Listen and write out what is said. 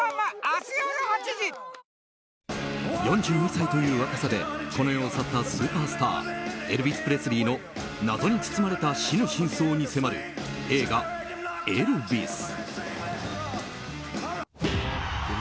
４２歳という若さでこの世を去ったスーパースターエルヴィス・プレスリーの謎に包まれた死の真相に迫る映画「エルヴィス」。